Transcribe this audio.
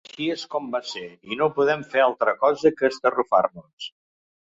Així és com va ser, i no podem fer altra cosa que estarrufar-nos.